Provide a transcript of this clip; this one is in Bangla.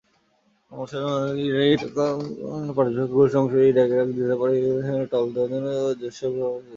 বাংলাদেশ জাতিসংঘের ইরান-ইরাক সামরিক পর্যবেক্ষক গোষ্ঠীর অংশ হিসাবে ইরান-ইরাক যুদ্ধের পরে ইরান-ইরাক সীমান্তে টহল দেওয়ার জন্য সৈন্য সরবরাহ করেছিল।